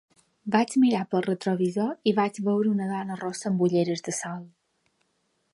Vaig mirar pel retrovisor i vaig veure una dona rossa amb ulleres de sol.